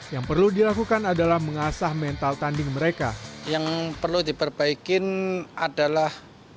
yang perlu dilakukan adalah mengasah mental tanding mereka yang perlu diperbaikin adalah